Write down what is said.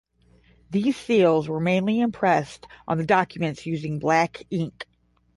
These seals were mainly impressed on documents using black ink.